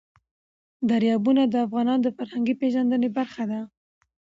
دریابونه د افغانانو د فرهنګي پیژندنې برخه ده.